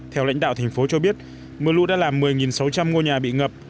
theo lãnh đạo thành phố cho biết mưa lũ đã làm một mươi sáu trăm linh ngôi nhà bị ngập